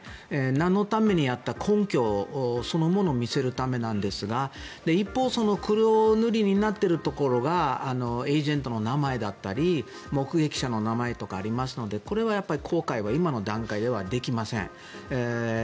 なんのためにやったかの根拠そのものを見せるためですが一方黒塗りになっているところがエージェントの名前だったり目撃者の名前とかありますのでこれは公開は今の段階ではできません。